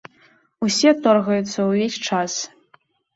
Усе торгаюцца ўвесь час.